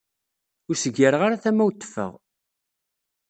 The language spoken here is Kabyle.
Ur as-gireɣ ara tamawt teffeɣ.